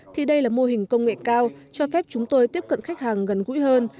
thì đây là mô hình công nghệ cao cho phép chúng tôi tiếp cận khách hàng gần gũi hơn